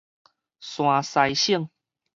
山西省